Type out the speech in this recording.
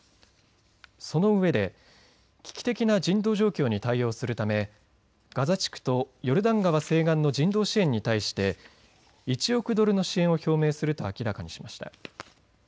その上で危機的な人道状況に対応するためガザ地区とヨルダン川西岸の人道支援に対して１億ドルの支援を表明すると明らかにしました。